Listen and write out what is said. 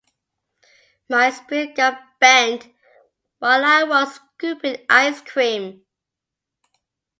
My spoon got bent while I was scooping ice cream.